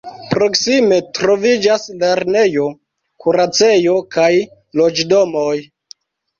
Proksime troviĝas lernejo, kuracejo kaj loĝdomoj.